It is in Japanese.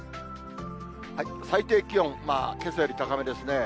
最低気温、けさより高めですね。